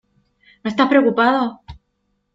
¿ No estás preocupado?